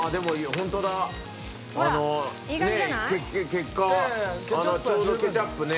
結果ちょうどケチャップね。